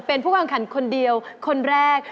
เป็นผู้กวางขันคนเดียวคนแรก